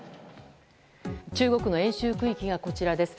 中国の演習区域がこちらです。